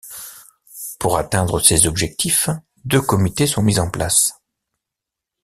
Pour atteindre ces objectifs, deux comités sont mis en place.